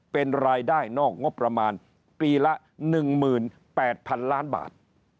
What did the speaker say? เป็นรายได้นอกงบประมาณปีละ๑๘๐๐๐ล้านบาท